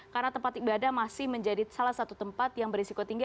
karena tempat ibadah masih menjadi salah satu tempat yang beresiko tinggi